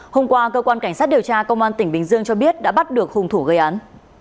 hôm qua cơ quan cảnh sát điều tra công an tỉnh bình dương cho biết đã bắt được hung thủ gây án